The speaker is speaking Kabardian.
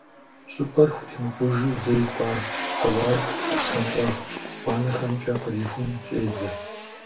ЩIыпIэр хуримыкъужу лей хъуа хьэуар бгъуэнщIагъ гъуанэхэмкIэ кърихун щIедзэ.